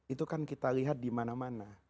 itu kan kita lihat dimana mana